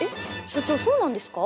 所長そうなんですか？